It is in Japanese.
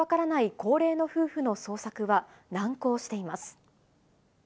高齢の夫婦の捜索は難航しています。